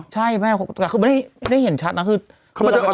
ใช่แม่ก็ไม่ได้ไม่ได้เห็นชัสนะคืออารตก